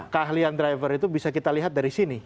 keahlian driver itu bisa kita lihat dari sini